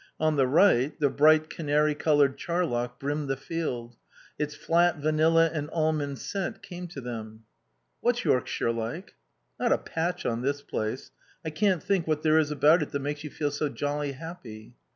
On the right the bright canary coloured charlock brimmed the field. Its flat, vanilla and almond scent came to them. "What's Yorkshire like?" "Not a patch on this place. I can't think what there is about it that makes you feel so jolly happy."